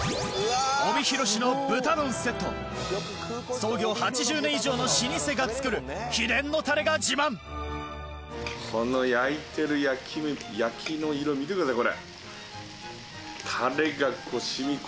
創業８０年以上の老舗が作る秘伝のタレが自慢この焼いてる焼きの色見てくださいこれ。